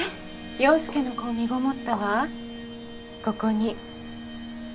陽佑の子を身ごもったわここに。